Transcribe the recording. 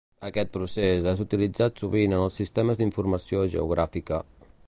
Aquest procés és utilitzat sovint en els Sistemes d'Informació Geogràfica.